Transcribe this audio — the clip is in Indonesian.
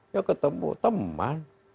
ya ketemu teman